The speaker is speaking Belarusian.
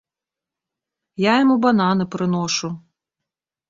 Я яму бананы прыношу.